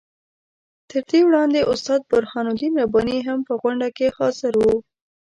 تر دې وړاندې استاد برهان الدین رباني هم په غونډه کې حاضر وو.